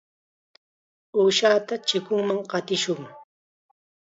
Uushata chikunman qatishun.